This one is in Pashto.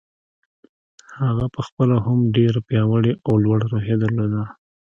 هغه په خپله هم ډېره پياوړې او لوړه روحيه درلوده.